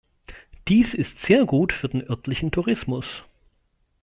Dies ist sehr gut für den örtlichen Tourismus.